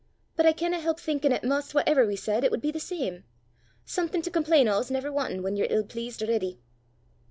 but I canna help thinkin' 'at 'maist whatever we said, it wud be the same. Something to compleen o' 's never wantin' whan ye're ill pleast a'ready!"